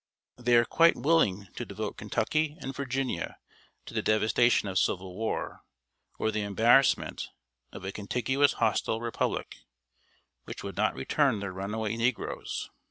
They are quite willing to devote Kentucky and Virginia to the devastation of civil war, or the embarrassment of a contiguous hostile republic, which would not return their run away negroes.